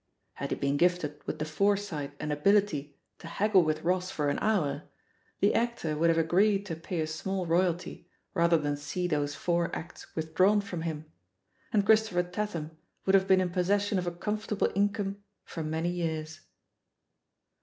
Had he been gifted with the fore sight and ability to haggle with Ross for an hour, the actor would have agreed to pay a small roy alty rather than see those four acts withdrawn from him — and Christopher Tatham would have been in possession of a comfortable income for many years.